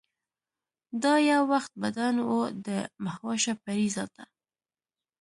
دا یو وخت بدن و د مهوشه پرې ذاته